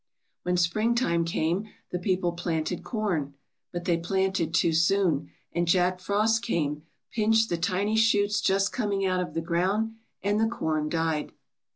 "When springtime came the people planted corn; but they planted too soon, and Jack Frost came, pinched the tin^y shoots just com ing out of the ground, and the corn died.